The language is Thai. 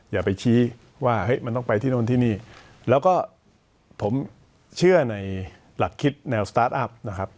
อย่าไปชี้ว่าเฮ้ยมันต้องไปที่โน่นที่นี่แล้วก็ผมเชื่อในหลักคิดแนวสตาร์ทอัพนะครับ